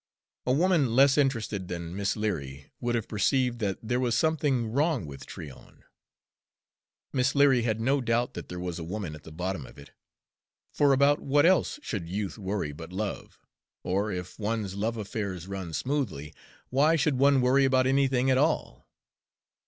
A woman less interested than Miss Leary would have perceived that there was something wrong with Tryon. Miss Leary had no doubt that there was a woman at the bottom of it, for about what else should youth worry but love? or if one's love affairs run smoothly, why should one worry about anything at all?